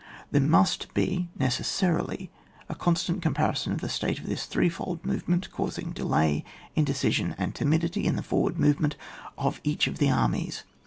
There must be necessarily a constant compari* son of the state of this threefold move ment causing delay, indecision, and timidity in the forward movement of each of the armies.